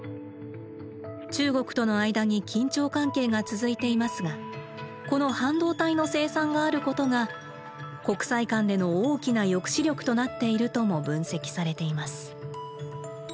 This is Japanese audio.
中国との間に緊張関係が続いていますがこの半導体の生産があることが国際間での大きな「抑止力」となっているとも分析されています。